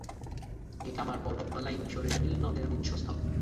এ কামার পর্বতমালাই মিসরের নীল নদের উৎসস্থল।